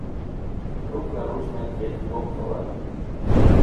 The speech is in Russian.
Вдруг наружная дверь хлопнула.